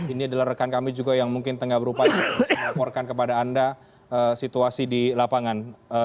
ini adalah rekan kami juga yang mungkin tengah berupaya melaporkan kepada anda situasi di lapangan